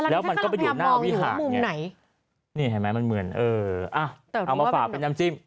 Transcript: แล้วมันก็ไปหยุดหน้าวิหารเนี่ยนี่เหมือนเออเอามาฝากเป็นน้ำจิ้ม